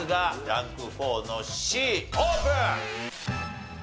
ランク４のＣオープン！